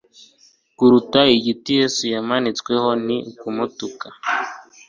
kurata igiti yesu yamanitsweho ni ukumutuka